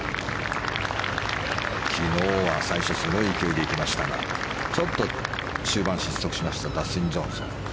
昨日は最初すごい勢いで行きましたがちょっと中盤失速しましたダスティン・ジョンソン。